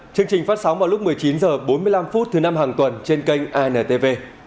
chương trình phát sóng vào lúc một mươi chín h bốn mươi năm thứ năm hàng tuần trên kênh intv